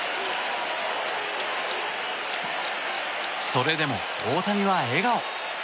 それでも、大谷は笑顔。